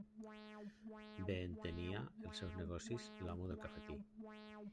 Bé entenia els seus negocis l'amo del cafetí.